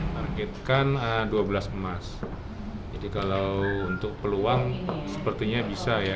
targetkan dua belas emas jadi kalau untuk peluang sepertinya bisa ya